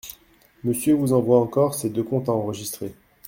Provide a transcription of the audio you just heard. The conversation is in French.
Monsieur vous envoie encore ces deux comptes à enregistrer.